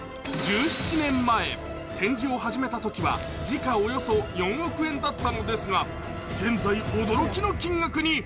１７年前、展示を始めたときは時価およそ４億円だったのですが現在、驚きの金額に。